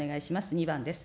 ２番です。